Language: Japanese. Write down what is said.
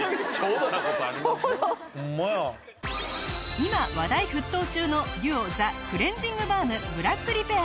今話題沸騰中のＤＵＯザクレンジングバームブラックリペア。